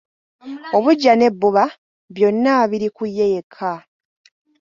Obuggya n'ebbuba byonna biri ku ye yekka.